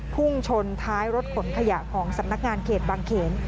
พุ่งชนท้ายรถขนขยะของสำนักงานเขตบางเขน